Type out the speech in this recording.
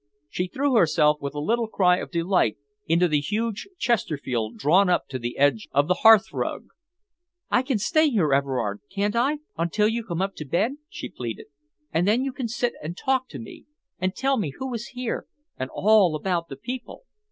She threw herself with a little cry of delight into the huge Chesterfield drawn up to the edge of the hearthrug. "I can stay here, Everard, can't I, until you come up to bed?" she pleaded. "And then you can sit and talk to me, and tell me who is here and all about the people.